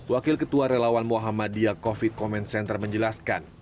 wakil ketua relawan muhammadiyah covid command center menjelaskan